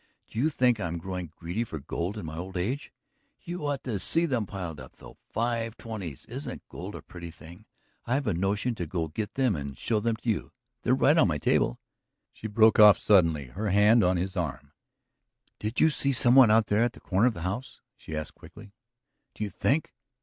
Do you think I am growing greedy for gold in my old age? ... You ought to see them piled up, though; five twenties. Isn't gold a pretty thing? I've a notion to go get them and show them to you; they're right on my table ..." She broke off suddenly, her hand on his arm. "Did you see some one out there at the corner of the house?" she asked quickly. "Do you think